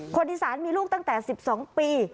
คนอีสานมีลูกตั้งแต่๑๒ปี